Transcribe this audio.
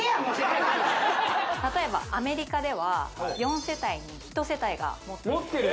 はい例えばアメリカでは４世帯に１世帯が持っていると持ってる？